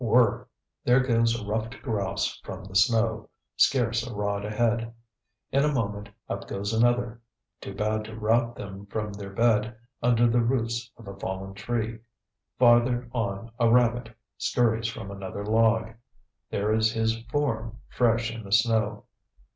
Whirr! There goes a ruffed grouse from the snow, scarce a rod ahead. In a moment, up goes another. Too bad to rout them from their bed under the roots of a fallen tree. Farther on a rabbit scurries from another log. There is his "form" fresh in the snow.